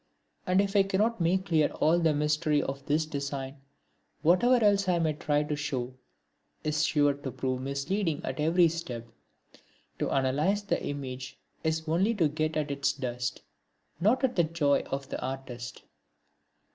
And if I cannot make clear all the mystery of this design, whatever else I may try to show is sure to prove misleading at every step. To analyse the image is only to get at its dust, not at the joy of the artist.